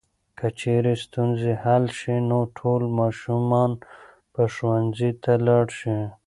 که چېرې ستونزې حل شي نو ټول ماشومان به ښوونځي ته لاړ شي.